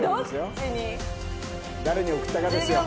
誰に送ったかですよ。